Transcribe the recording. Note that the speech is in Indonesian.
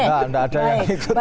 tidak ada yang ikut